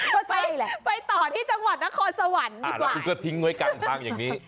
ก็ใช่แหละไปต่อที่จังหวัดนครสวรรค์ดีกว่าคุณก็ทิ้งไว้กลางทางอย่างนี้